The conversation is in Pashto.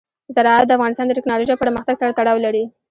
زراعت د افغانستان د تکنالوژۍ پرمختګ سره تړاو لري.